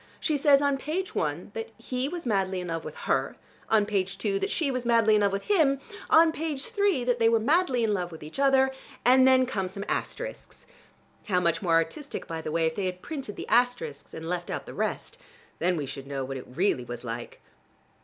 She says on page one that he was madly in love with her, on page two that she was madly in love with him, on page three that they were madly in love with each other, and then come some asterisks. (How much more artistic, by the way, if they printed the asterisks and left out the rest! Then we should know what it really was like.)